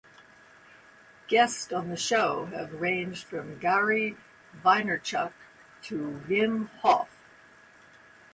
Guest on the show have ranged from Gary Vaynerchuk to Wim Hof.